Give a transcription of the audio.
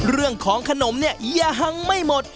เรื่องของขนมเนี่ยอย่าหังไม่หมด